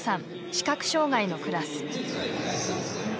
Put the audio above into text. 視覚障がいのクラス。